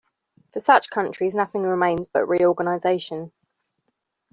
For such countries nothing remained but reorganization.